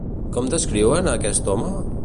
Com descriuen a aquest home?